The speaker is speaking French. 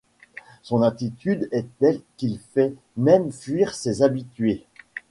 Son attitude est telle qu'il fait même fuir ses habitués.